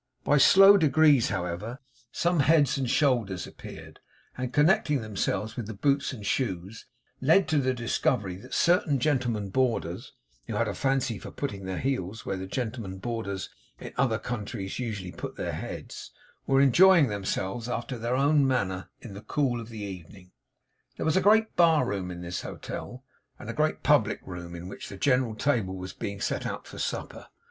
By slow degrees, however, some heads and shoulders appeared, and connecting themselves with the boots and shoes, led to the discovery that certain gentlemen boarders, who had a fancy for putting their heels where the gentlemen boarders in other countries usually put their heads, were enjoying themselves after their own manner in the cool of the evening. There was a great bar room in this hotel, and a great public room in which the general table was being set out for supper.